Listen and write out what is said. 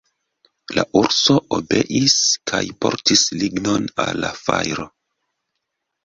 La urso obeis kaj portis lignon al la fajro.